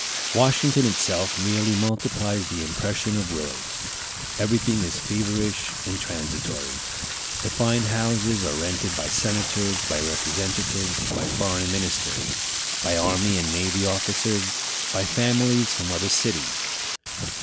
Washington itself merely multiplies the impression of Willard's. Everything is feverish and transitory. The fine houses are rented by senators, by representatives, by foreign ministers, by army and navy officers, by families from other cities.